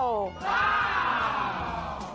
ว้าว